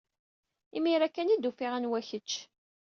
Imir-a kan ay d-ufiɣ anwa kecc.